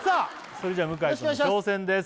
それじゃ向井くんの挑戦です